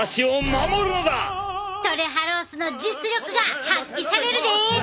トレハロースの実力が発揮されるで！